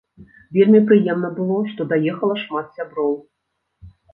Вельмі прыемна было, што даехала шмат сяброў.